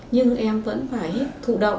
nhưng em vẫn phải hít thụ động